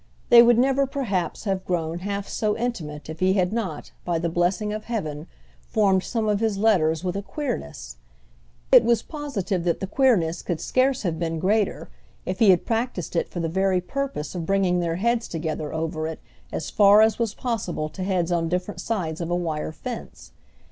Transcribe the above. They would never perhaps have grown half so intimate if he had not, by the blessing of heaven, formed some of his letters with a queerness—! It was positive that the queerness could scarce have been greater if he had practised it for the very purpose of bringing their heads together over it as far as was possible to heads on different sides of a wire fence.